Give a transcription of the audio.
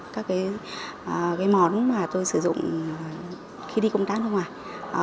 các món mà tôi sử dụng khi đi công tác không ạ